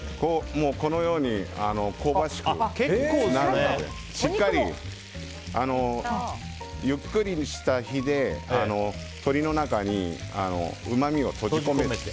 このように香ばしくなるまでしっかり、ゆっくりした火で鶏の中に、うまみを閉じ込める。